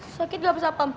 sakit gak besok pam